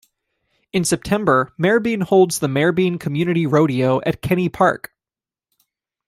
In September Merbein holds the Merbein Community Rodeo at Kenny Park.